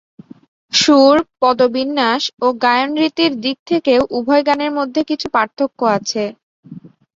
সুর, পদবিন্যাস ও গায়নরীতির দিক থেকেও উভয় গানের মধ্যে কিছু পার্থক্য আছে।